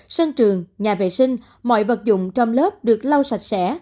sân trường nhà vệ sinh mọi vật dụng trong lớp được lau sạch sẽ